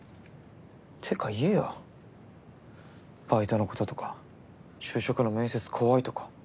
てか言えよバイトのこととか就職の面接怖いとか。